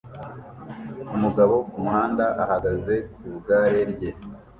Umugabo kumuhanda ahagaze ku igare rye